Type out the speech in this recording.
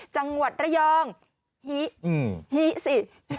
จังหวัดระยองฮิฮิสิ